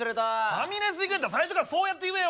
ファミレス行くんやったら最初からそうやって言えよ！